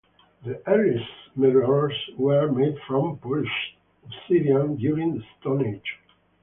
The earliest mirrors were made from polished obsidian during the Stone Age.